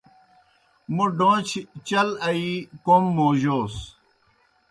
موْ ڈوݩچھیْ چل آیِی کوْم موجوس۔